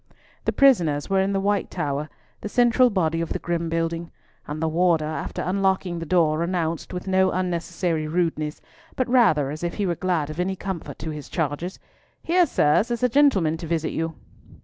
The prisoners were in the White Tower, the central body of the grim building, and the warder, after unlocking the door, announced, with no unnecessary rudeness, but rather as if he were glad of any comfort to his charges, "Here, sirs, is a gentleman to visit you."